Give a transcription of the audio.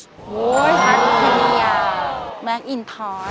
โอ้โฮคัตริยาแมคอิงทอส